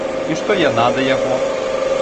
І што яна да яго?